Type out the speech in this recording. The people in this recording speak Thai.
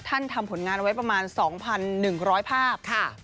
ทำผลงานไว้ประมาณ๒๑๐๐ภาพ